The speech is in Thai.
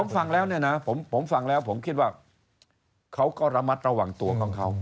ก็เดี๋ยวนะผมผมฟังแล้วผมคิดว่าเขาก็ระมัดระหว่างตัวของเขา